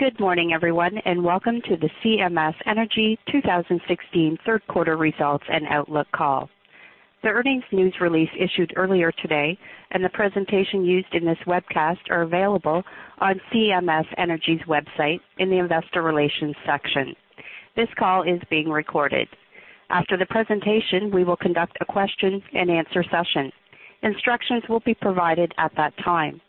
Good morning, everyone, and welcome to the CMS Energy 2016 third quarter results and outlook call. The earnings news release issued earlier today and the presentation used in this webcast are available on CMS Energy's website in the investor relations section. This call is being recorded. After the presentation, we will conduct a question and answer session. Instructions will be provided at that time.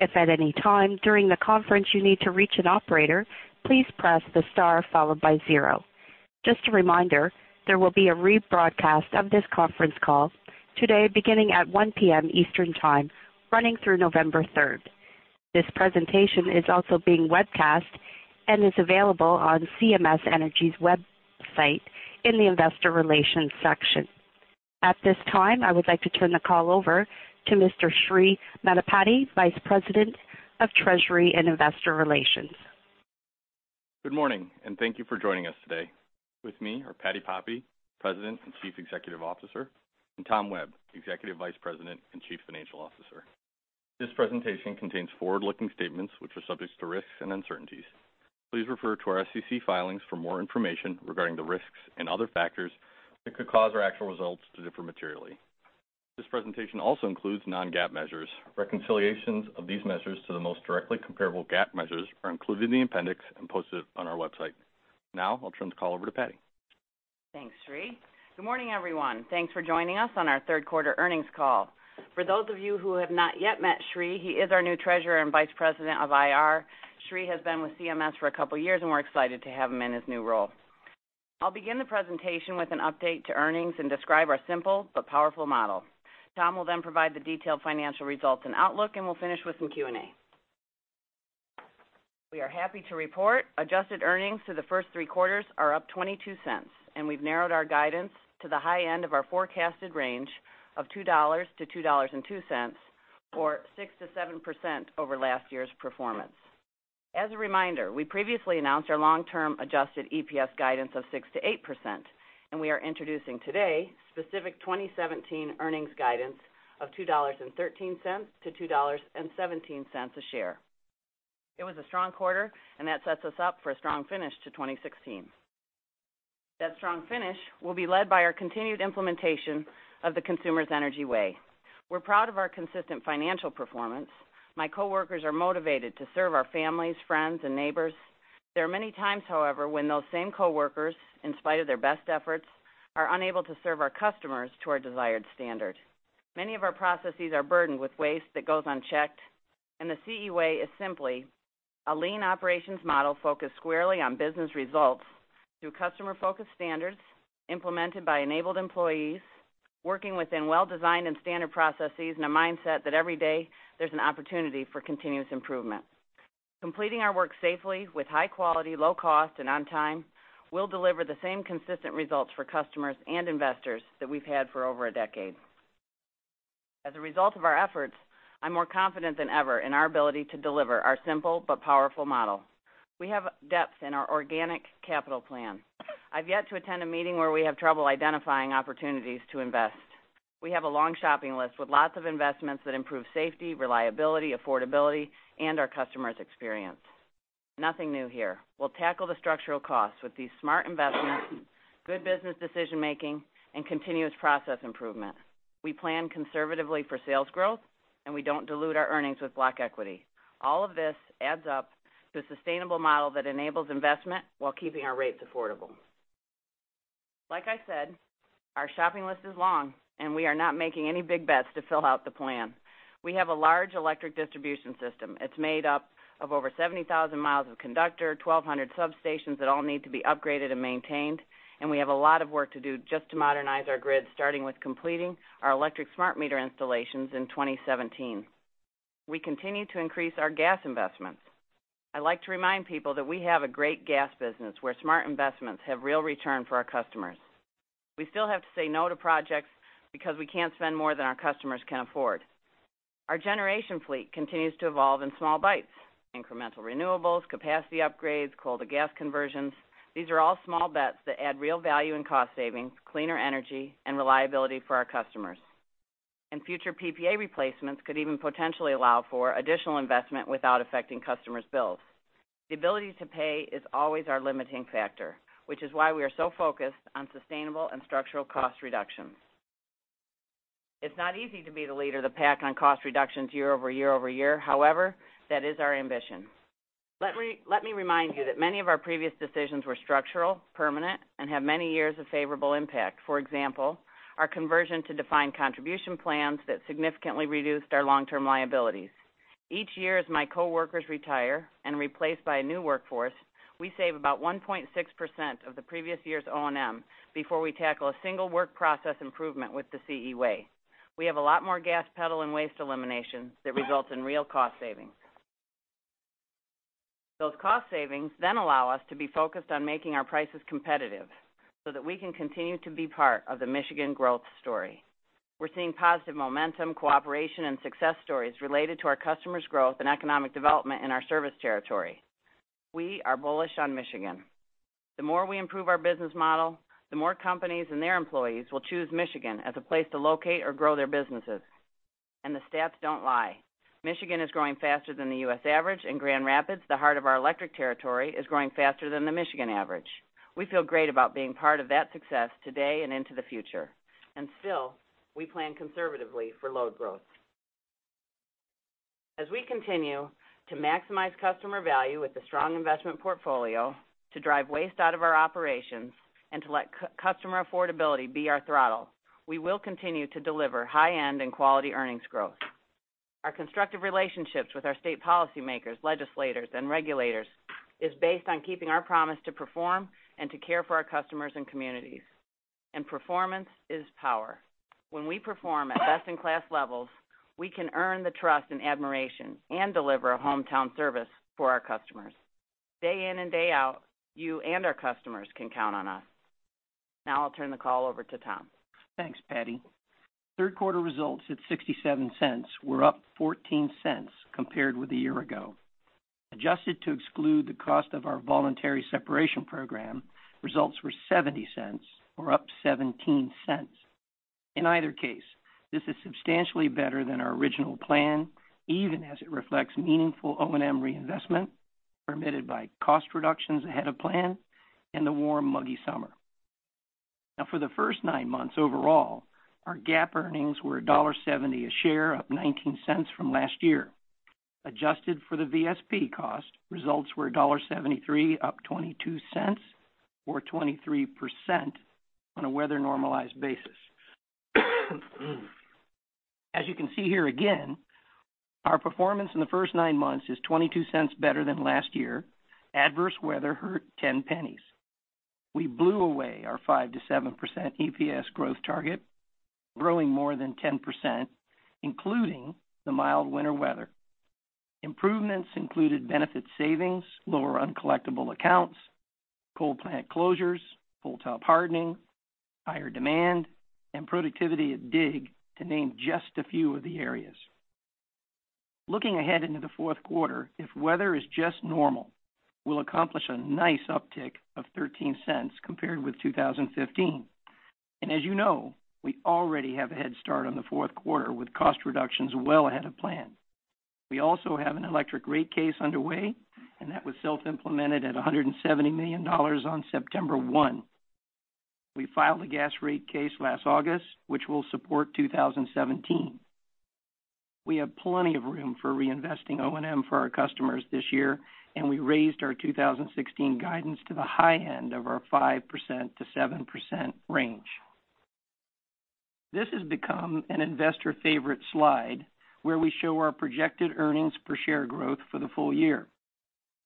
If at any time during the conference you need to reach an operator, please press the star followed by zero. Just a reminder, there will be a rebroadcast of this conference call today beginning at 1:00 P.M. Eastern Time, running through November 3rd. This presentation is also being webcast and is available on CMS Energy's website in the investor relations section. At this time, I would like to turn the call over to Mr. Sri Maddipati, Vice President of Treasury and Investor Relations. Good morning, and thank you for joining us today. With me are Patti Poppe, President and Chief Executive Officer, and Tom Webb, Executive Vice President and Chief Financial Officer. This presentation contains forward-looking statements, which are subject to risks and uncertainties. Please refer to our SEC filings for more information regarding the risks and other factors that could cause our actual results to differ materially. This presentation also includes non-GAAP measures. Reconciliations of these measures to the most directly comparable GAAP measures are included in the appendix and posted on our website. Now, I'll turn the call over to Patti. Thanks, Sri. Good morning, everyone. Thanks for joining us on our third quarter earnings call. For those of you who have not yet met Sri, he is our new Treasurer and Vice President of IR. Sri has been with CMS for a couple of years, and we're excited to have him in his new role. I'll begin the presentation with an update to earnings and describe our simple but powerful model. Tom will then provide the detailed financial results and outlook, and we'll finish with some Q&A. We are happy to report adjusted earnings for the first three quarters are up $0.22, and we've narrowed our guidance to the high end of our forecasted range of $2.00-$2.02 or 6%-7% over last year's performance. As a reminder, we previously announced our long-term adjusted EPS guidance of 6%-8%, and we are introducing today specific 2017 earnings guidance of $2.13-$2.17 a share. It was a strong quarter, that sets us up for a strong finish to 2016. That strong finish will be led by our continued implementation of the Consumers Energy Way. We're proud of our consistent financial performance. My coworkers are motivated to serve our families, friends, and neighbors. There are many times, however, when those same coworkers, in spite of their best efforts, are unable to serve our customers to our desired standard. Many of our processes are burdened with waste that goes unchecked, the CE Way is simply a lean operations model focused squarely on business results through customer-focused standards implemented by enabled employees working within well-designed and standard processes in a mindset that every day there's an opportunity for continuous improvement. Completing our work safely with high quality, low cost, and on time will deliver the same consistent results for customers and investors that we've had for over a decade. As a result of our efforts, I'm more confident than ever in our ability to deliver our simple but powerful model. We have depth in our organic capital plan. I've yet to attend a meeting where we have trouble identifying opportunities to invest. We have a long shopping list with lots of investments that improve safety, reliability, affordability, and our customer's experience. Nothing new here. We'll tackle the structural costs with these smart investments, good business decision-making, and continuous process improvement. We plan conservatively for sales growth, we don't dilute our earnings with black equity. All of this adds up to a sustainable model that enables investment while keeping our rates affordable. Like I said, our shopping list is long, we are not making any big bets to fill out the plan. We have a large electric distribution system. It's made up of over 70,000 miles of conductor, 1,200 substations that all need to be upgraded and maintained, we have a lot of work to do just to modernize our grid, starting with completing our electric smart meter installations in 2017. We continue to increase our gas investments. I like to remind people that we have a great gas business where smart investments have real return for our customers. We still have to say no to projects because we can't spend more than our customers can afford. Our generation fleet continues to evolve in small bites. Incremental renewables, capacity upgrades, coal-to-gas conversions. These are all small bets that add real value in cost savings, cleaner energy, and reliability for our customers. Future PPA replacements could even potentially allow for additional investment without affecting customers' bills. The ability to pay is always our limiting factor, which is why we are so focused on sustainable and structural cost reductions. It's not easy to be the leader of the pack on cost reductions year-over-year-over-year. However, that is our ambition. Let me remind you that many of our previous decisions were structural, permanent, and have many years of favorable impact. For example, our conversion to defined contribution plans that significantly reduced our long-term liabilities. Each year as my coworkers retire and are replaced by a new workforce, we save about 1.6% of the previous year's O&M before we tackle a single work process improvement with the CE Way. We have a lot more gas pedal and waste elimination that results in real cost savings. Those cost savings allow us to be focused on making our prices competitive so that we can continue to be part of the Michigan growth story. We're seeing positive momentum, cooperation, and success stories related to our customers' growth and economic development in our service territory. We are bullish on Michigan. The more we improve our business model, the more companies and their employees will choose Michigan as a place to locate or grow their businesses. The stats don't lie. Michigan is growing faster than the U.S. average, Grand Rapids, the heart of our electric territory, is growing faster than the Michigan average. We feel great about being part of that success today and into the future. Still, we plan conservatively for load growth. As we continue to maximize customer value with a strong investment portfolio, to drive waste out of our operations, and to let customer affordability be our throttle, we will continue to deliver high-end and quality earnings growth. Our constructive relationships with our state policymakers, legislators, and regulators is based on keeping our promise to perform and to care for our customers and communities. Performance is power. When we perform at best-in-class levels, we can earn the trust and admiration and deliver a hometown service for our customers. Day in and day out, you and our customers can count on us. I'll turn the call over to Tom. Thanks, Patti. Third quarter results at $0.67 were up $0.14 compared with a year ago. Adjusted to exclude the cost of our voluntary separation program, results were $0.70 or up $0.17. In either case, this is substantially better than our original plan, even as it reflects meaningful O&M reinvestment permitted by cost reductions ahead of plan in the warm, muggy summer. For the first nine months overall, our GAAP earnings were $1.70 a share, up $0.19 from last year. Adjusted for the VSP cost, results were $1.73, up $0.22, or 23% on a weather-normalized basis. As you can see here again, our performance in the first nine months is $0.22 better than last year. Adverse weather hurt $0.10. We blew away our 5%-7% EPS growth target, growing more than 10%, including the mild winter weather. Improvements included benefit savings, lower uncollectible accounts, coal plant closures, full top Hardening, higher demand, and productivity at DIG, to name just a few of the areas. Looking ahead into the fourth quarter, if weather is just normal, we'll accomplish a nice uptick of $0.13 compared with 2015. As you know, we already have a head start on the fourth quarter with cost reductions well ahead of plan. We also have an electric rate case underway, that was self-implemented at $170 million on September 1. We filed a gas rate case last August, which will support 2017. We have plenty of room for reinvesting O&M for our customers this year, we raised our 2016 guidance to the high end of our 5%-7% range. This has become an investor favorite slide where we show our projected earnings-per-share growth for the full year.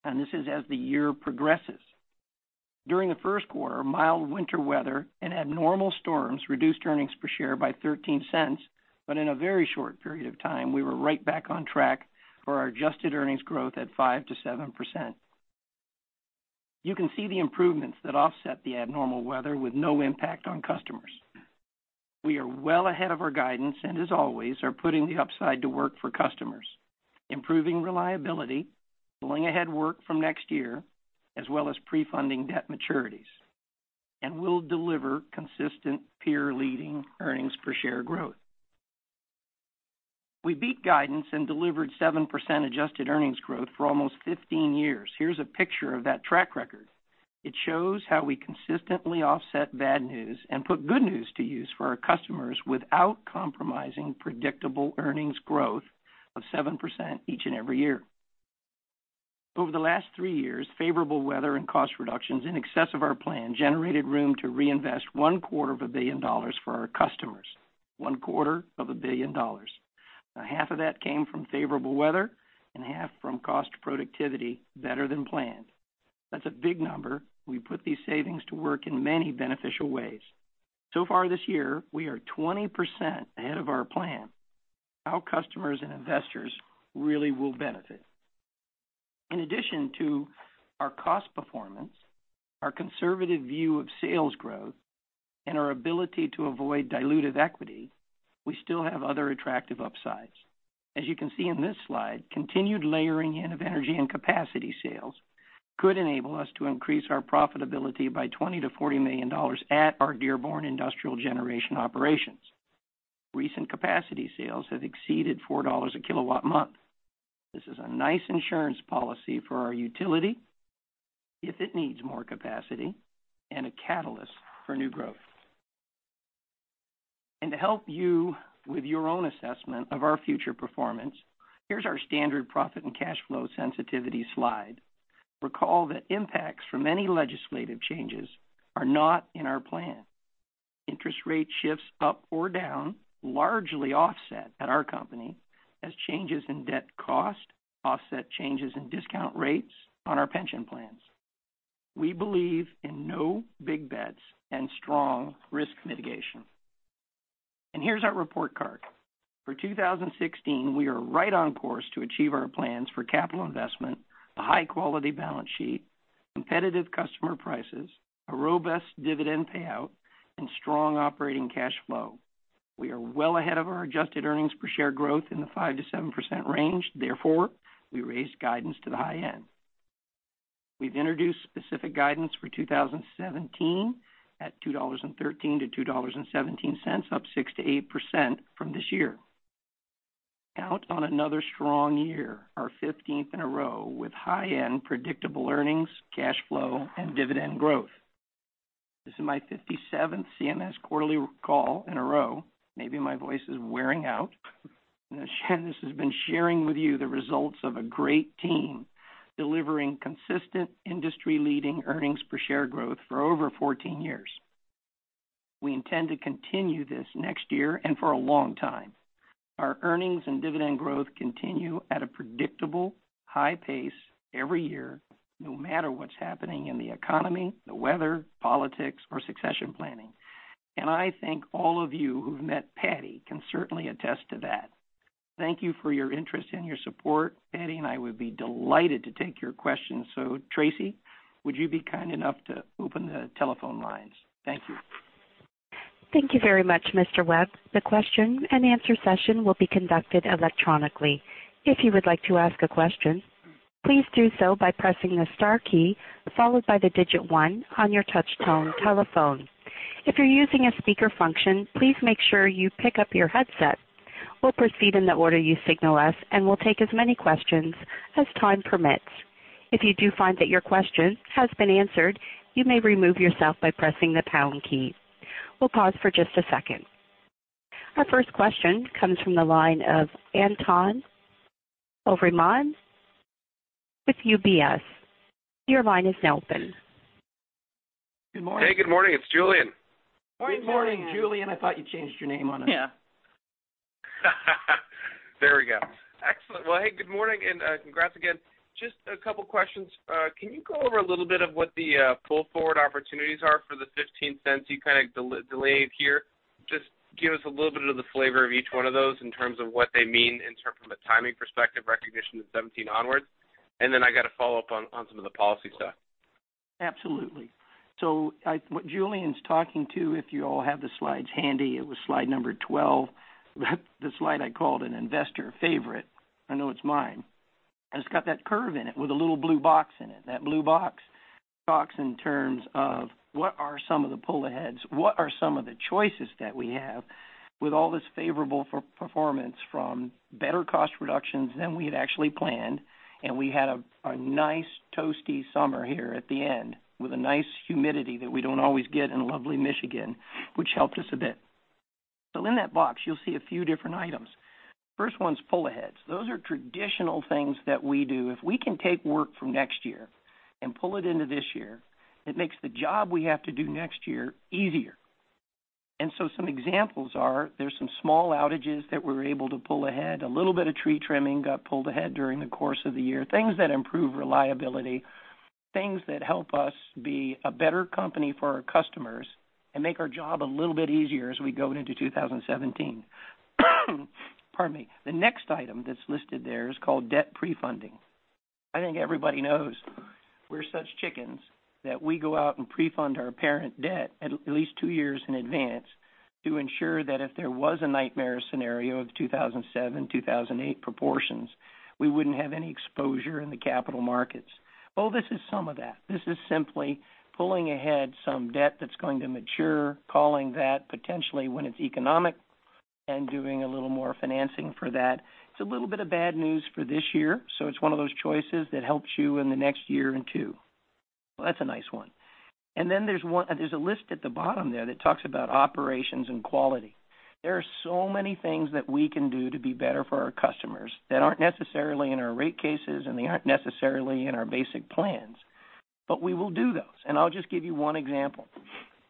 This is as the year progresses. During the first quarter, mild winter weather and abnormal storms reduced earnings per share by $0.13. In a very short period of time, we were right back on track for our adjusted earnings growth at 5%-7%. You can see the improvements that offset the abnormal weather with no impact on customers. We are well ahead of our guidance and, as always, are putting the upside to work for customers, improving reliability, pulling ahead work from next year, as well as pre-funding debt maturities. We'll deliver consistent peer-leading earnings-per-share growth. We beat guidance and delivered 7% adjusted earnings growth for almost 15 years. Here's a picture of that track record. It shows how we consistently offset bad news and put good news to use for our customers without compromising predictable earnings growth of 7% each and every year. Over the last three years, favorable weather and cost reductions in excess of our plan generated room to reinvest one-quarter of a billion dollars for our customers. One-quarter of a billion dollars. Half of that came from favorable weather and half from cost productivity better than planned. That's a big number. We put these savings to work in many beneficial ways. So far this year, we are 20% ahead of our plan. Our customers and investors really will benefit. In addition to our cost performance, our conservative view of sales growth, and our ability to avoid dilutive equity, we still have other attractive upsides. As you can see in this slide, continued layering in of energy and capacity sales could enable us to increase our profitability by $20 million-$40 million at our Dearborn Industrial Generation operations. Recent capacity sales have exceeded $4 a kilowatt month. This is a nice insurance policy for our utility if it needs more capacity and a catalyst for new growth. To help you with your own assessment of our future performance, here's our standard profit and cash flow sensitivity slide. Recall that impacts from any legislative changes are not in our plan. Interest rate shifts up or down largely offset at our company as changes in debt cost offset changes in discount rates on our pension plans. We believe in no big bets and strong risk mitigation. Here's our report card. For 2016, we are right on course to achieve our plans for capital investment, a high-quality balance sheet, competitive customer prices, a robust dividend payout, and strong operating cash flow. We are well ahead of our adjusted earnings-per-share growth in the 5%-7% range. Therefore, we raised guidance to the high end. We've introduced specific guidance for 2017 at $2.13-$2.17, up 6%-8% from this year. Out on another strong year, our 15th in a row, with high-end predictable earnings, cash flow, and dividend growth. This is my 57th CMS quarterly call in a row. Maybe my voice is wearing out. This has been sharing with you the results of a great team delivering consistent industry-leading earnings per share growth for over 14 years. We intend to continue this next year, and for a long time. Our earnings and dividend growth continue at a predictable high pace every year, no matter what's happening in the economy, the weather, politics, or succession planning. I think all of you who've met Patti can certainly attest to that. Thank you for your interest and your support. Patti and I would be delighted to take your questions. Tracy, would you be kind enough to open the telephone lines? Thank you. Thank you very much, Mr. Webb. The question and answer session will be conducted electronically. If you would like to ask a question, please do so by pressing the star key, followed by the digit one on your touch-tone telephone. If you're using a speaker function, please make sure you pick up your headset. We'll proceed in the order you signal us, and we'll take as many questions as time permits. If you do find that your question has been answered, you may remove yourself by pressing the pound key. We'll pause for just a second. Our first question comes from the line of Julien Dumoulin-Smith with UBS. Your line is now open. Good morning. Hey, good morning. It's Julien. Good morning, Julien. I thought you changed your name on us. Yeah. There we go. Excellent. Well, hey, good morning, congrats again. Just a couple questions. Can you go over a little bit of what the pull-forward opportunities are for the $0.15 you kind of delayed here? Just give us a little bit of the flavor of each one of those in terms of what they mean in terms from a timing perspective, recognition of 2017 onwards, I got a follow-up on some of the policy stuff. Absolutely. What Julien's talking to, if you all have the slides handy, it was slide number 12, the slide I called an investor favorite. I know it's mine. It's got that curve in it with a little blue box in it. That blue box talks in terms of what are some of the pull-aheads, what are some of the choices that we have with all this favorable performance from better cost reductions than we had actually planned. We had a nice toasty summer here at the end with a nice humidity that we don't always get in lovely Michigan, which helped us a bit. In that box, you'll see a few different items. First one's pull-aheads. Those are traditional things that we do. If we can take work from next year and pull it into this year, it makes the job we have to do next year easier. Some examples are, there's some small outages that we were able to pull ahead. A little bit of tree trimming got pulled ahead during the course of the year. Things that improve reliability, things that help us be a better company for our customers and make our job a little bit easier as we go into 2017. Pardon me. The next item that's listed there is called debt prefunding. I think everybody knows we're such chickens that we go out and prefund our parent debt at least two years in advance to ensure that if there was a nightmare scenario of 2007, 2008 proportions, we wouldn't have any exposure in the capital markets. Well, this is some of that. This is simply pulling ahead some debt that's going to mature, calling that potentially when it's economic, and doing a little more financing for that. It's a little bit of bad news for this year, so it's one of those choices that helps you in the next year and two. That's a nice one. There's a list at the bottom there that talks about operations and quality. There are so many things that we can do to be better for our customers that aren't necessarily in our rate cases, they aren't necessarily in our basic plans, but we will do those. I'll just give you one example.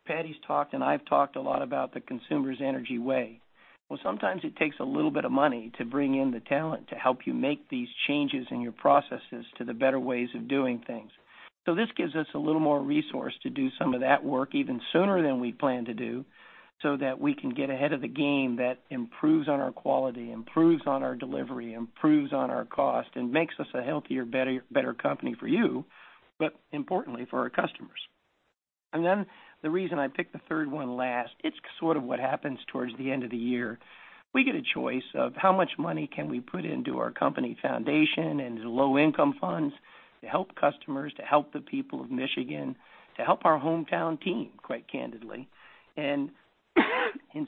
Patti's talked and I've talked a lot about the Consumers Energy Way. Sometimes it takes a little bit of money to bring in the talent to help you make these changes in your processes to the better ways of doing things. This gives us a little more resource to do some of that work even sooner than we plan to do, so that we can get ahead of the game that improves on our quality, improves on our delivery, improves on our cost, and makes us a healthier, better company for you, but importantly for our customers. The reason I picked the third one last, it's sort of what happens towards the end of the year. We get a choice of how much money can we put into our company foundation and low-income funds to help customers, to help the people of Michigan, to help our hometown team, quite candidly. In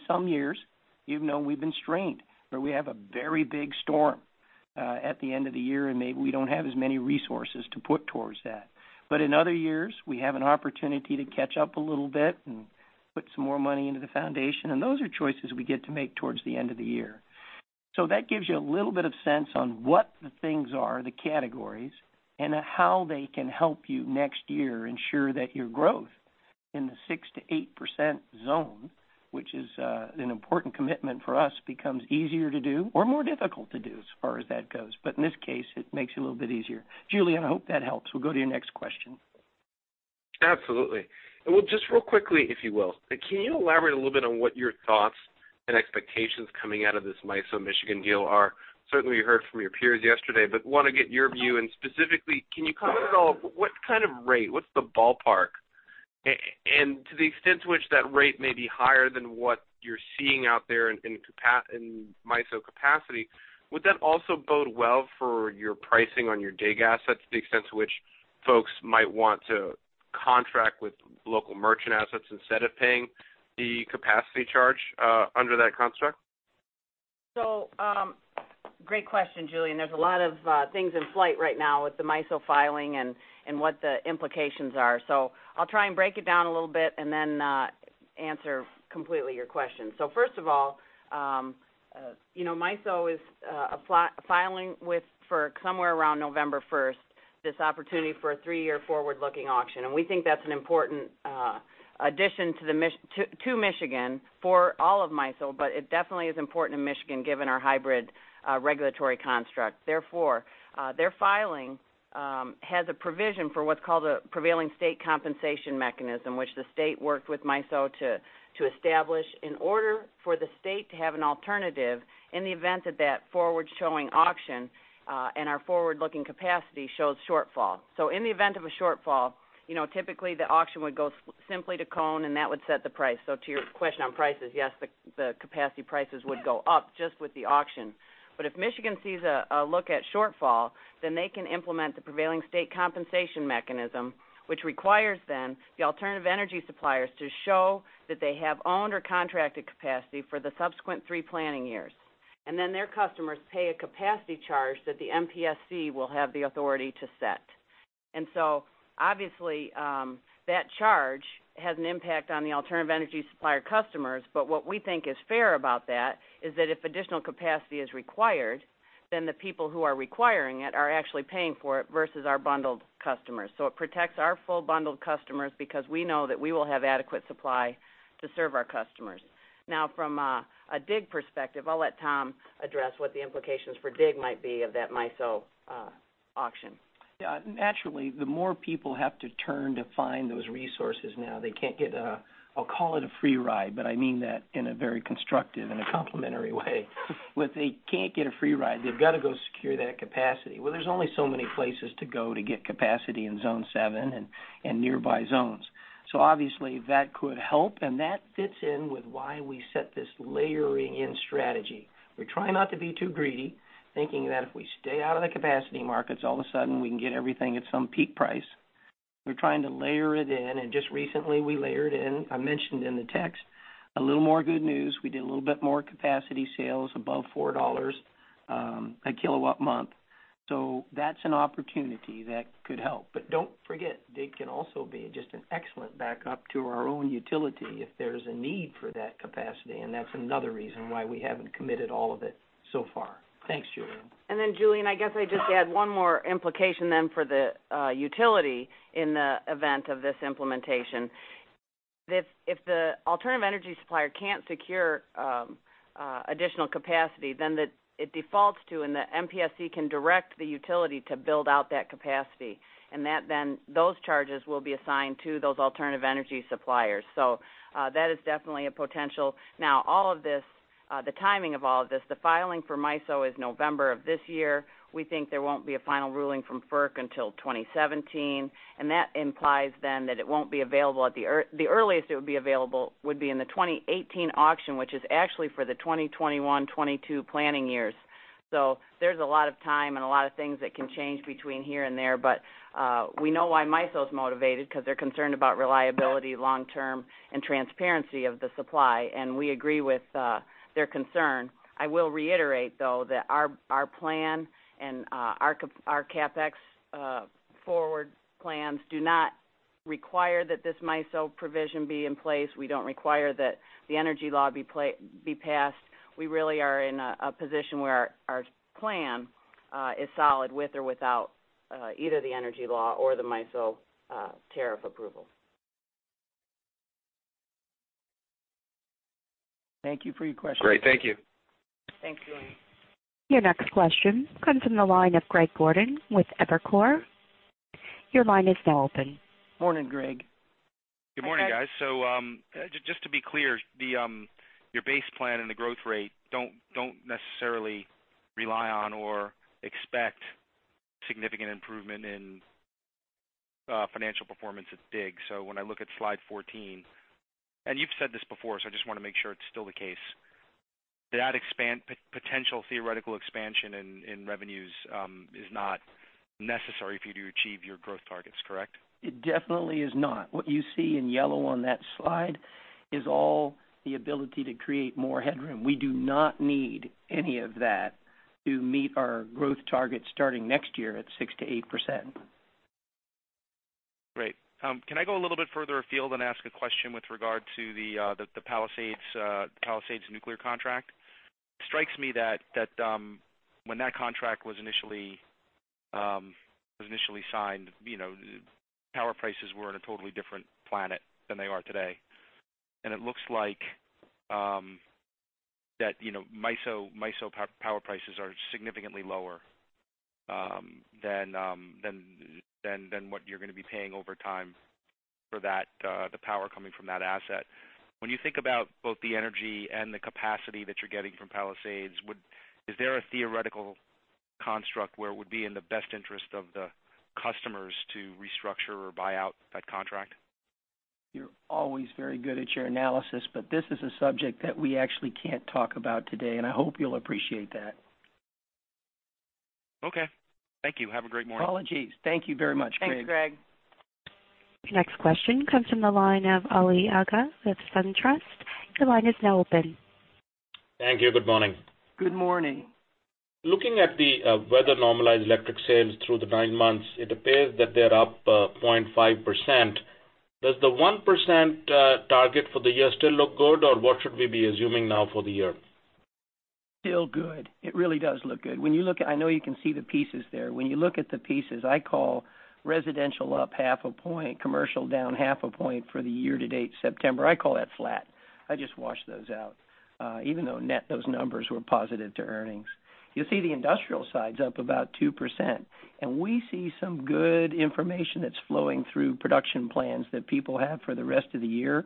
some years, even though we've been strained, where we have a very big storm at the end of the year, and maybe we don't have as many resources to put towards that. In other years, we have an opportunity to catch up a little bit and put some more money into the foundation, and those are choices we get to make towards the end of the year. That gives you a little bit of sense on what the things are, the categories, and how they can help you next year ensure that your growth in the 6%-8% zone, which is an important commitment for us, becomes easier to do or more difficult to do as far as that goes. In this case, it makes it a little bit easier. Julien, I hope that helps. We'll go to your next question. Absolutely. Just real quickly, if you will, can you elaborate a little bit on what your thoughts and expectations coming out of this MISO Michigan deal are? Certainly, we heard from your peers yesterday, but want to get your view. Specifically, can you comment at all, what kind of rate, what's the ballpark? To the extent to which that rate may be higher than what you're seeing out there in MISO capacity, would that also bode well for your pricing on your DIG assets to the extent to which folks might want to contract with local merchant assets instead of paying the capacity charge under that construct? Great question, Julien. There's a lot of things in flight right now with the MISO filing and what the implications are. I'll try and break it down a little bit and then answer completely your question. First of all, MISO is filing with FERC somewhere around November 1st, this opportunity for a three-year forward-looking auction. We think that's an important addition to Michigan for all of MISO, but it definitely is important to Michigan given our hybrid regulatory construct. Therefore, their filing has a provision for what's called a Prevailing State Compensation Mechanism, which the state worked with MISO to establish in order for the state to have an alternative in the event that forward-showing auction and our forward-looking capacity shows shortfall. In the event of a shortfall, typically the auction would go simply to CONE and that would set the price. To your question on prices, yes, the capacity prices would go up just with the auction. If Michigan sees a look at shortfall, then they can implement the Prevailing State Compensation Mechanism, which requires then the alternative energy suppliers to show that they have owned or contracted capacity for the subsequent three planning years. Their customers pay a capacity charge that the MPSC will have the authority to set. Obviously, that charge has an impact on the alternative energy supplier customers. What we think is fair about that is that if additional capacity is required, then the people who are requiring it are actually paying for it versus our bundled customers. It protects our full bundled customers because we know that we will have adequate supply to serve our customers. Now from a DIG perspective, I'll let Tom address what the implications for DIG might be of that MISO auction. Yeah. Naturally, the more people have to turn to find those resources now, they can't get, I'll call it a free ride, but I mean that in a very constructive and a complimentary way. They can't get a free ride. They've got to go secure that capacity. Well, there's only so many places to go to get capacity in Zone 7 and nearby zones. Obviously that could help, and that fits in with why we set this layering-in strategy. We try not to be too greedy, thinking that if we stay out of the capacity markets, all of a sudden we can get everything at some peak price. We're trying to layer it in, and just recently we layered in, I mentioned in the text, a little more good news. We did a little bit more capacity sales above $4 a kilowatt month. That's an opportunity that could help. Don't forget, DIG can also be just an excellent backup to our own utility if there's a need for that capacity, and that's another reason why we haven't committed all of it so far. Thanks, Julien. Julien, I guess I'd just add one more implication then for the utility in the event of this implementation. If the alternative energy supplier can't secure additional capacity, then it defaults to, and the MPSC can direct the utility to build out that capacity. Those charges will be assigned to those alternative energy suppliers. That is definitely a potential. Now, the timing of all of this, the filing for MISO is November of this year. We think there won't be a final ruling from FERC until 2017. That implies then that the earliest it would be available would be in the 2018 auction, which is actually for the 2021, 2022 planning years. There's a lot of time and a lot of things that can change between here and there. We know why MISO's motivated, because they're concerned about reliability long term and transparency of the supply. We agree with their concern. I will reiterate, though, that our plan and our CapEx forward plans do not require that this MISO provision be in place. We don't require that the energy law be passed. We really are in a position where our plan is solid with or without either the energy law or the MISO tariff approval. Thank you for your question. Great. Thank you. Thanks, Julien. Your next question comes from the line of Greg Gordon with Evercore. Your line is now open. Morning, Greg. Good morning, guys. Just to be clear, your base plan and the growth rate don't necessarily rely on or expect significant improvement in financial performance at DIG. When I look at slide 14, and you've said this before, I just want to make sure it's still the case. That potential theoretical expansion in revenues is not necessary for you to achieve your growth targets, correct? It definitely is not. What you see in yellow on that slide is all the ability to create more headroom. We do not need any of that to meet our growth targets starting next year at 6%-8%. Great. Can I go a little bit further afield and ask a question with regard to the Palisades nuclear contract? It strikes me that when that contract was initially signed, power prices were on a totally different planet than they are today. It looks like that MISO power prices are significantly lower than what you're going to be paying over time for the power coming from that asset. When you think about both the energy and the capacity that you're getting from Palisades, is there a theoretical construct where it would be in the best interest of the customers to restructure or buy out that contract? You're always very good at your analysis, but this is a subject that we actually can't talk about today, and I hope you'll appreciate that. Okay. Thank you. Have a great morning. Apologies. Thank you very much, Greg. Thanks, Greg. Your next question comes from the line of Ali Agha with SunTrust. Your line is now open. Thank you. Good morning. Good morning. Looking at the weather-normalized electric sales through the nine months, it appears that they're up 0.5%. Does the 1% target for the year still look good, or what should we be assuming now for the year? Still good. It really does look good. I know you can see the pieces there. When you look at the pieces, I call residential up half a point, commercial down half a point for the year-to-date September. I call that flat. I just wash those out. Even though net those numbers were positive to earnings. We see the industrial side's up about 2%, and we see some good information that's flowing through production plans that people have for the rest of the year,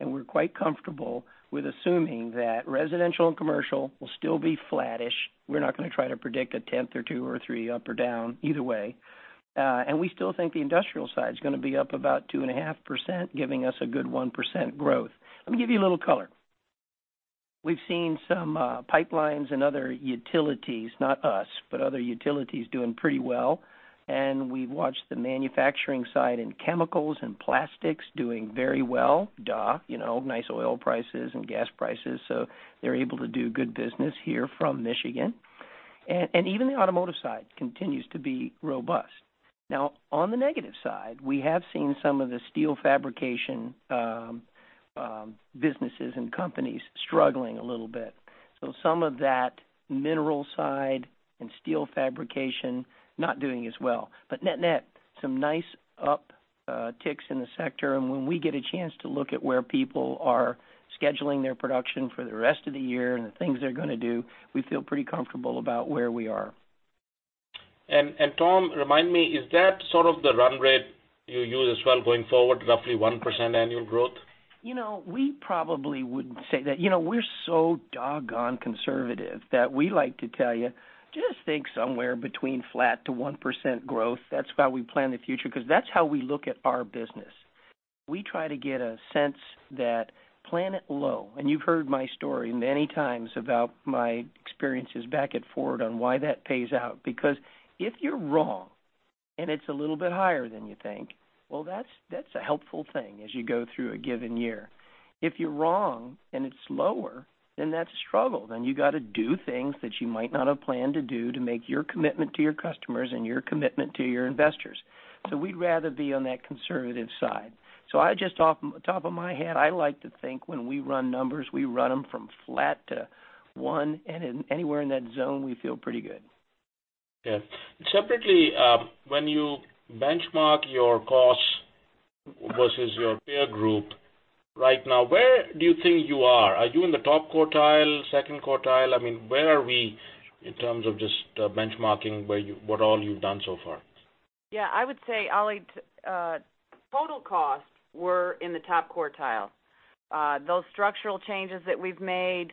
and we're quite comfortable with assuming that residential and commercial will still be flattish. We're not going to try to predict a tenth or two or three up or down either way. We still think the industrial side is going to be up about 2.5%, giving us a good 1% growth. Let me give you a little color. We've seen some pipelines and other utilities, not us, but other utilities doing pretty well, and we've watched the manufacturing side in chemicals and plastics doing very well. Duh. Nice oil prices and gas prices, they're able to do good business here from Michigan. Even the automotive side continues to be robust. Now, on the negative side, we have seen some of the steel fabrication businesses and companies struggling a little bit. Some of that mineral side and steel fabrication not doing as well. Net-net, some nice upticks in the sector, and when we get a chance to look at where people are scheduling their production for the rest of the year and the things they're going to do, we feel pretty comfortable about where we are. Tom, remind me, is that sort of the run rate you use as well going forward, roughly 1% annual growth? We probably wouldn't say that. We're so doggone conservative that we like to tell you, just think somewhere between flat to 1% growth. That's how we plan the future because that's how we look at our business. We try to get a sense that plan it low. You've heard my story many times about my experiences back at Ford on why that pays out. If you're wrong and it's a little bit higher than you think, well, that's a helpful thing as you go through a given year. If you're wrong and it's lower, that's a struggle. You got to do things that you might not have planned to do to make your commitment to your customers and your commitment to your investors. We'd rather be on that conservative side. I just, off the top of my head, I like to think when we run numbers, we run them from flat to one, and anywhere in that zone, we feel pretty good. Yeah. Separately, when you benchmark your costs versus your peer group right now, where do you think you are? Are you in the top quartile, second quartile? Where are we in terms of just benchmarking what all you've done so far? Yeah. I would say, Ali, total costs were in the top quartile. Those structural changes that we've made,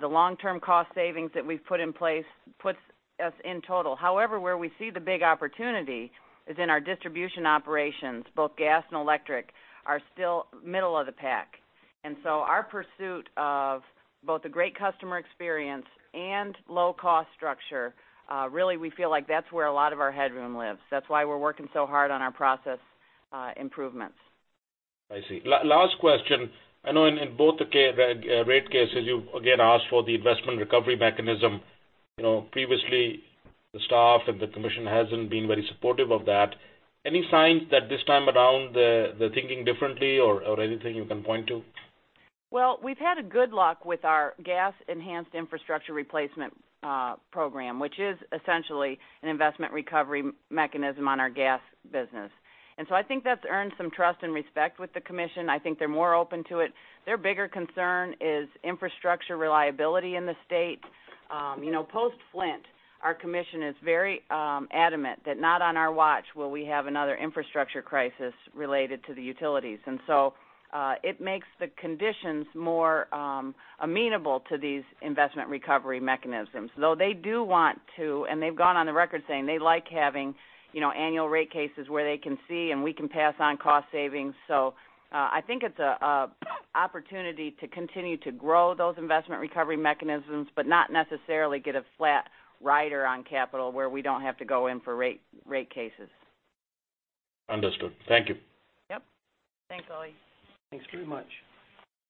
the long-term cost savings that we've put in place puts us in total. However, where we see the big opportunity is in our distribution operations. Both gas and electric are still middle of the pack. Our pursuit of both a great customer experience and low-cost structure, really, we feel like that's where a lot of our headroom lives. That's why we're working so hard on our process improvements. I see. Last question. I know in both the rate cases, you again asked for the investment recovery mechanism. Previously, the staff and the commission hasn't been very supportive of that. Any signs that this time around they're thinking differently or anything you can point to? Well, we've had good luck with our Enhanced Infrastructure Replacement Program, which is essentially an investment recovery mechanism on our gas business. I think that's earned some trust and respect with the commission. I think they're more open to it. Their bigger concern is infrastructure reliability in the state. Post-Flint, our commission is very adamant that not on our watch will we have another infrastructure crisis related to the utilities. It makes the conditions more amenable to these investment recovery mechanisms. Though they do want to, and they've gone on the record saying they like having annual rate cases where they can see, and we can pass on cost savings. I think it's an opportunity to continue to grow those investment recovery mechanisms, but not necessarily get a flat rider on capital where we don't have to go in for rate cases. Understood. Thank you. Yep. Thanks, Ali. Thanks very much.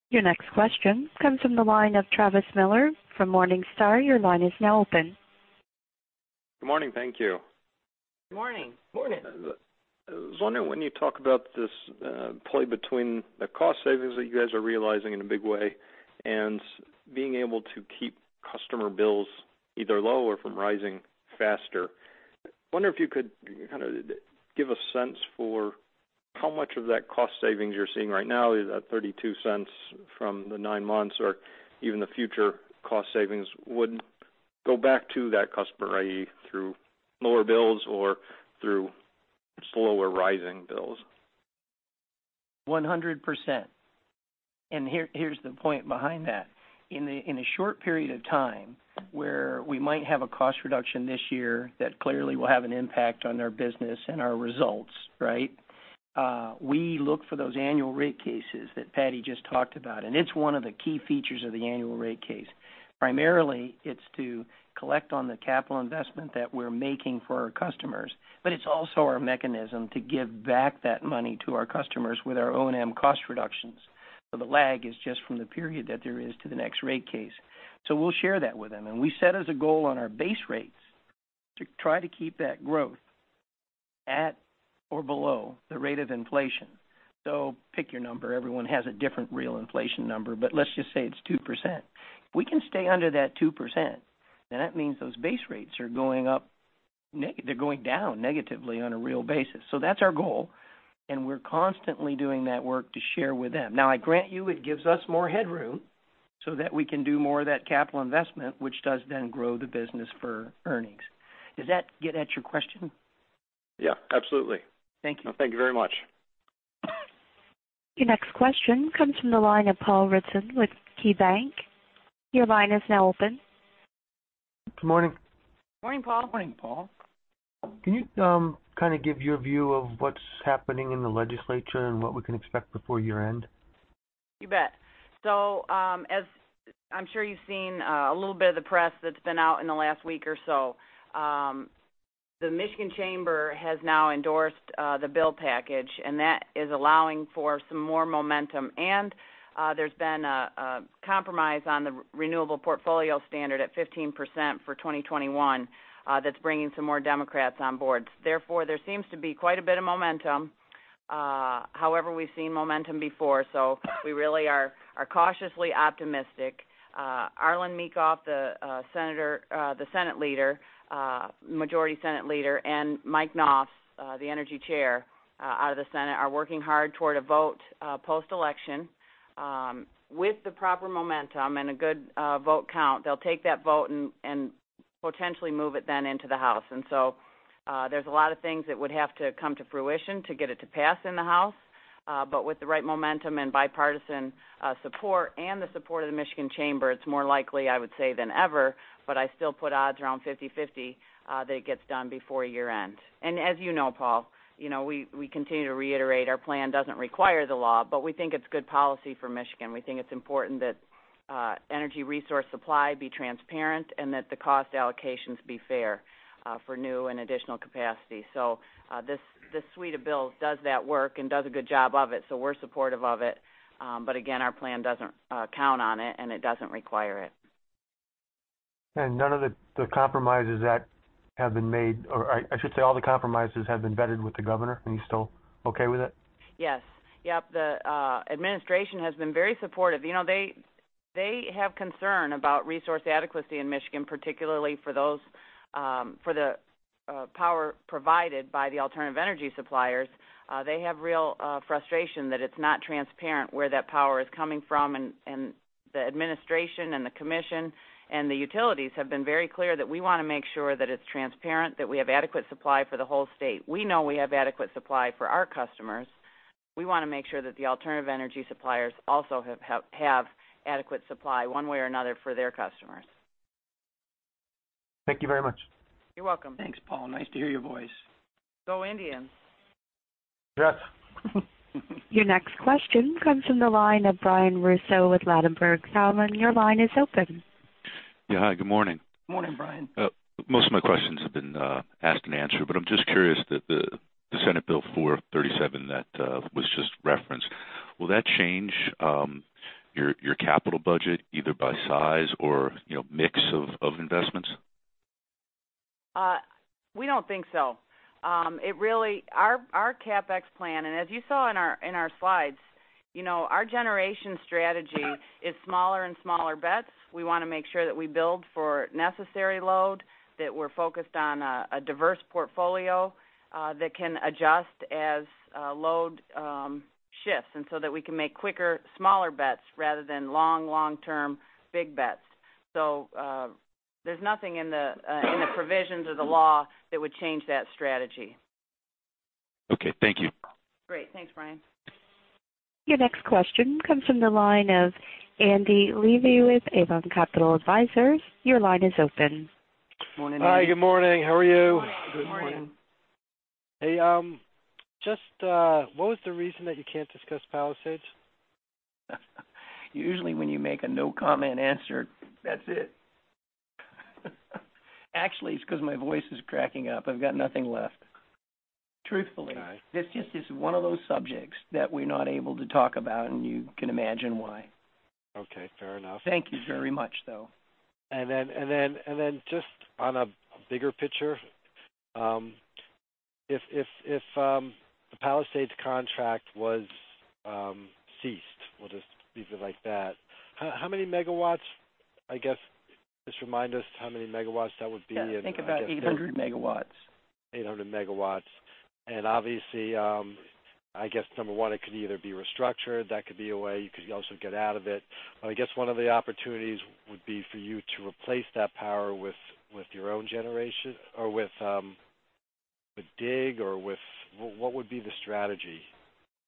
Your next question comes from the line of Travis Miller from Morningstar. Your line is now open. Good morning. Thank you. Good morning. Morning. I was wondering when you talk about this play between the cost savings that you guys are realizing in a big way and being able to keep customer bills either low or from rising faster, I wonder if you could kind of give a sense for how much of that cost savings you're seeing right now is at $0.32 from the nine months or even the future cost savings would go back to that customer, i.e., through lower bills or through slower rising bills? 100%. Here's the point behind that. In a short period of time where we might have a cost reduction this year that clearly will have an impact on our business and our results, we look for those annual rate cases that Patti just talked about, and it's one of the key features of the annual rate case. Primarily, it's to collect on the capital investment that we're making for our customers, but it's also our mechanism to give back that money to our customers with our O&M cost reductions. The lag is just from the period that there is to the next rate case. We'll share that with them. We set as a goal on our base rates to try to keep that growth at or below the rate of inflation. Pick your number. Everyone has a different real inflation number, but let's just say it's 2%. If we can stay under that 2%, then that means those base rates are going down negatively on a real basis. That's our goal, and we're constantly doing that work to share with them. I grant you, it gives us more headroom so that we can do more of that capital investment, which does then grow the business for earnings. Does that get at your question? Yeah, absolutely. Thank you. Thank you very much. Your next question comes from the line of Paul Ridzon with KeyBanc. Your line is now open. Good morning. Morning, Paul. Morning, Paul. Can you give your view of what's happening in the legislature and what we can expect before year-end? You bet. As I'm sure you've seen a little bit of the press that's been out in the last week or so, the Michigan Chamber has now endorsed the bill package, and that is allowing for some more momentum. There's been a compromise on the renewable portfolio standard at 15% for 2021 that's bringing some more Democrats on board. There seems to be quite a bit of momentum. We've seen momentum before, so we really are cautiously optimistic. Arlan Meekhof, the Senate Majority Leader, and Mike Nofs, the Energy Chair out of the Senate, are working hard toward a vote post-election. With the proper momentum and a good vote count, they'll take that vote and potentially move it then into the House. There's a lot of things that would have to come to fruition to get it to pass in the House. With the right momentum and bipartisan support and the support of the Michigan Chamber, it's more likely, I would say, than ever, but I still put odds around 50/50 that it gets done before year-end. As you know, Paul, we continue to reiterate our plan doesn't require the law, but we think it's good policy for Michigan. We think it's important that energy resource supply be transparent and that the cost allocations be fair for new and additional capacity. This suite of bills does that work and does a good job of it, so we're supportive of it. Again, our plan doesn't count on it, and it doesn't require it. None of the compromises that have been made, or I should say all the compromises have been vetted with the governor, and he's still okay with it? Yes. The administration has been very supportive. They have concern about resource adequacy in Michigan, particularly for the power provided by the alternative energy suppliers. They have real frustration that it's not transparent where that power is coming from. The administration and the commission and the utilities have been very clear that we want to make sure that it's transparent, that we have adequate supply for the whole state. We know we have adequate supply for our customers. We want to make sure that the alternative energy suppliers also have adequate supply, one way or another, for their customers. Thank you very much. You're welcome. Thanks, Paul. Nice to hear your voice. Go Indians. Yes. Your next question comes from the line of Brian Russo with Ladenburg Thalmann. Your line is open. Yeah. Hi, good morning. Morning, Brian. Most of my questions have been asked and answered. I'm just curious that the Senate Bill 437 that was just referenced, will that change your capital budget either by size or mix of investments? We don't think so. Our CapEx plan, as you saw in our slides, our generation strategy is smaller and smaller bets. We want to make sure that we build for necessary load, that we're focused on a diverse portfolio that can adjust as load shifts, that we can make quicker, smaller bets rather than long, long-term big bets. There's nothing in the provisions of the law that would change that strategy. Okay. Thank you. Great. Thanks, Brian. Your next question comes from the line of Andy Levy with Avon Capital Advisors. Your line is open. Morning, Andy. Hi, good morning. How are you? Good morning. Morning. Hey, just what was the reason that you can't discuss Palisades? Usually when you make a no-comment answer, that's it. Actually, it's because my voice is cracking up. I've got nothing left. Okay This just is one of those subjects that we're not able to talk about, and you can imagine why. Okay. Fair enough. Thank you very much, though. Then just on a bigger picture, if the Palisades contract was ceased, we'll just leave it like that, how many megawatts, I guess, just remind us how many megawatts that would be. Yeah. Think about 800 megawatts. 800 megawatts. Obviously, I guess number 1, it could either be restructured. That could be a way. You could also get out of it. I guess one of the opportunities would be for you to replace that power with your own generation or with- With DIG or what would be the strategy-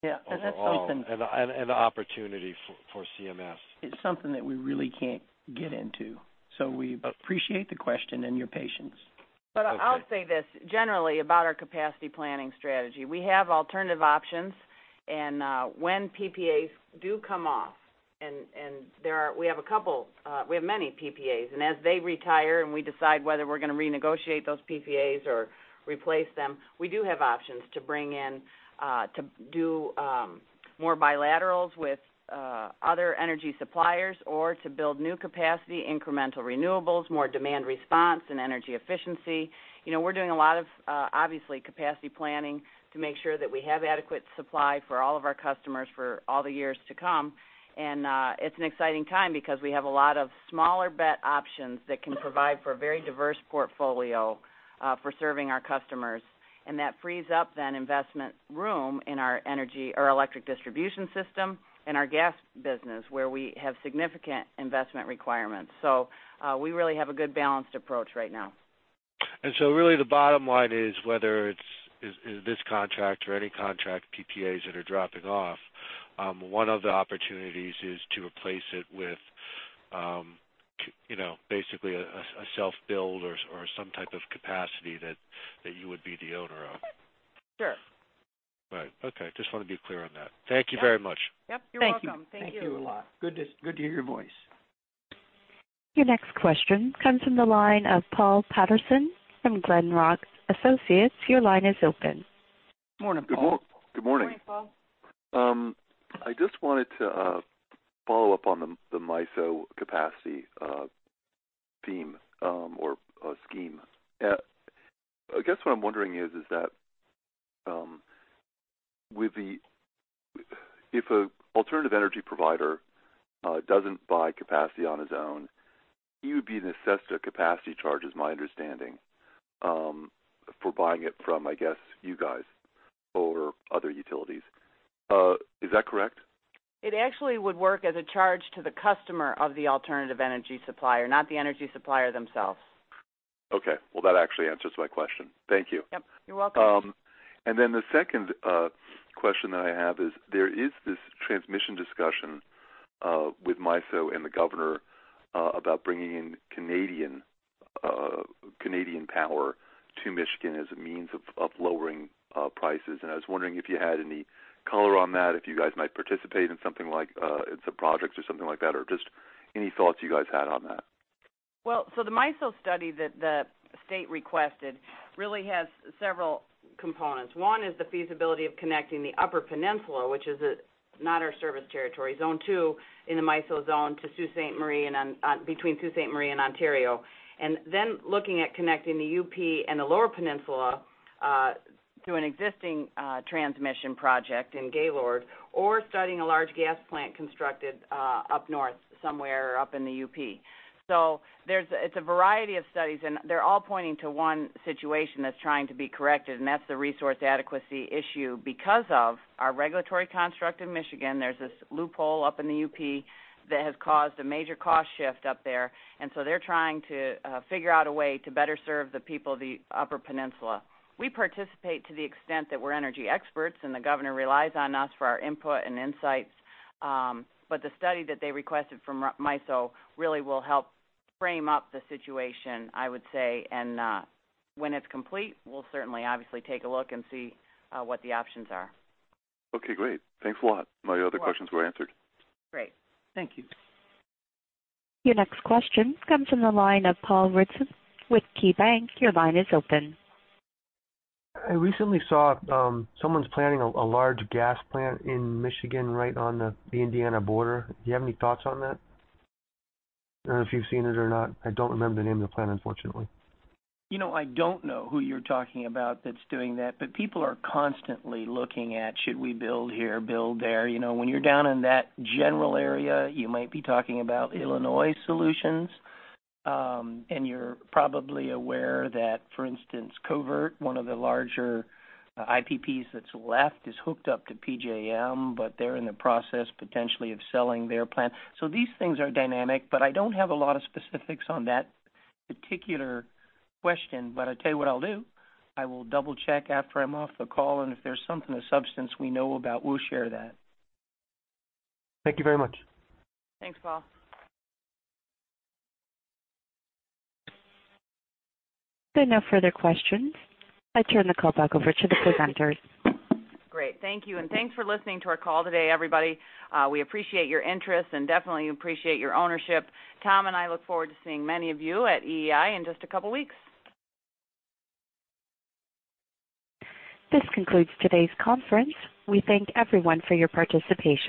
Yeah. That's something- Overall, the opportunity for CMS. It's something that we really can't get into. We appreciate the question and your patience. Okay. I'll say this, generally, about our capacity planning strategy. We have alternative options, and when PPAs do come off, and we have many PPAs, and as they retire and we decide whether we're going to renegotiate those PPAs or replace them, we do have options to bring in to do more bilaterals with other energy suppliers or to build new capacity, incremental renewables, more demand response, and energy efficiency. We're doing a lot of, obviously, capacity planning to make sure that we have adequate supply for all of our customers for all the years to come. It's an exciting time because we have a lot of smaller bet options that can provide for a very diverse portfolio for serving our customers. That frees up, then, investment room in our electric distribution system and our gas business, where we have significant investment requirements. We really have a good balanced approach right now. Really the bottom line is whether it's this contract or any contract PPAs that are dropping off, one of the opportunities is to replace it with basically a self-build or some type of capacity that you would be the owner of. Sure. Right. Okay. Just want to be clear on that. Thank you very much. Yep. You're welcome. Thank you. Thank you. Thank you a lot. Good to hear your voice. Your next question comes from the line of Paul Patterson from Glenrock Associates. Your line is open. Morning, Paul. Good morning. Morning, Paul. I just wanted to follow up on the MISO capacity theme or scheme. I guess what I'm wondering is that, if an alternative energy provider doesn't buy capacity on his own, he would be assessed a capacity charge, is my understanding, for buying it from, I guess, you guys or other utilities. Is that correct? It actually would work as a charge to the customer of the alternative energy supplier, not the energy supplier themselves. Okay. Well, that actually answers my question. Thank you. Yep. You're welcome. Then the second question that I have is there is this transmission discussion with MISO and the governor about bringing in Canadian power to Michigan as a means of lowering prices, and I was wondering if you had any color on that, if you guys might participate in some projects or something like that, or just any thoughts you guys had on that. The MISO study that the state requested really has several components. One is the feasibility of connecting the Upper Peninsula, which is not our service territory, Zone 2 in the MISO zone, to Sault Ste. Marie and between Sault Ste. Marie and Ontario. Looking at connecting the UP and the Lower Peninsula to an existing transmission project in Gaylord or starting a large gas plant constructed up north somewhere up in the UP. It's a variety of studies, they're all pointing to one situation that's trying to be corrected, that's the resource adequacy issue. Because of our regulatory construct in Michigan, there's this loophole up in the UP that has caused a major cost shift up there. They're trying to figure out a way to better serve the people of the Upper Peninsula. We participate to the extent that we're energy experts, the governor relies on us for our input and insights. The study that they requested from MISO really will help frame up the situation, I would say. When it's complete, we'll certainly, obviously, take a look and see what the options are. Okay, great. Thanks a lot. My other questions were answered. Great. Thank you. Your next question comes from the line of Paul Ridzon with KeyBanc. Your line is open. I recently saw someone's planning a large gas plant in Michigan right on the Indiana border. Do you have any thoughts on that? I don't know if you've seen it or not. I don't remember the name of the plant, unfortunately. I don't know who you're talking about that's doing that, but people are constantly looking at, should we build here, build there. You're probably aware that, for instance, Covert, one of the larger IPPs that's left, is hooked up to PJM, but they're in the process, potentially, of selling their plant. These things are dynamic, but I don't have a lot of specifics on that particular question. I tell you what I'll do. I will double-check after I'm off the call, and if there's something of substance we know about, we'll share that. Thank you very much. Thanks, Paul. If there are no further questions, I turn the call back over to the presenters. Great. Thank you, and thanks for listening to our call today, everybody. We appreciate your interest and definitely appreciate your ownership. Tom and I look forward to seeing many of you at EEI in just a couple weeks. This concludes today's conference. We thank everyone for your participation.